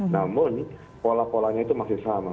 namun pola polanya itu masih sama